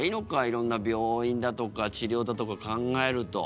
色んな病院だとか治療だとか考えると。